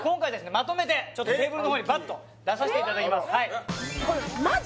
まとめてテーブルの方にバッと出さしていただきます